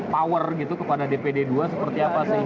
power gitu kepada dpd ii seperti apa sih